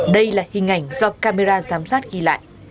đây là hình ảnh do camera giám sát ghi lại